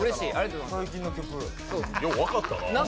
よう分かったな。